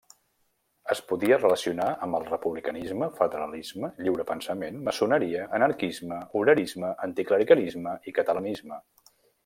Es podia relacionar amb el republicanisme, federalisme, lliure pensament, maçoneria, anarquisme, obrerisme, anticlericalisme i catalanisme.